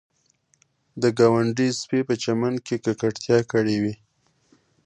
د ګاونډي سپي په چمن کې ککړتیا کړې وي